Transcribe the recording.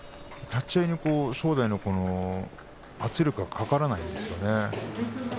立ち合いに正代の圧力がかからないんですよね。